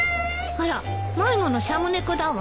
あら迷子のシャム猫だわ。